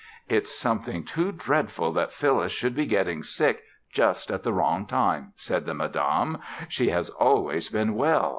"It's something too dreadful that Phyllis should be getting sick just at the wrong time," said the madame. "She has always been well.